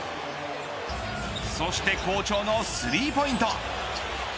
そして好調のスリーポイント。